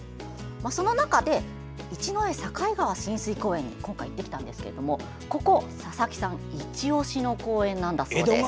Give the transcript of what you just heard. その中で一之江境川親水公園に今回行ってきたんですけれどもここ、佐々木さんいち押しの公園だそうです。